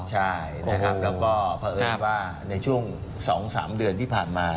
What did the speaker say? ใช่นะครับแล้วก็เพราะเอิญว่าในช่วง๒๓เดือนที่ผ่านมา